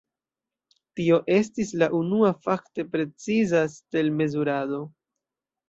Tio estis la unua fakte preciza stel-mezurado.